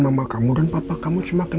mama kamu dan papa kamu semakin